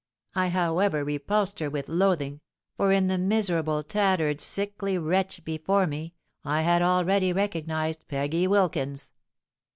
I however repulsed her with loathing; for in the miserable, tattered, sickly wretch before me, I had already recognised Peggy Wilkins.